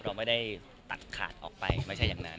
เราไม่ได้ตัดขาดออกไปไม่ใช่อย่างนั้น